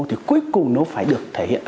thì cuối cùng nó phải được thể hiện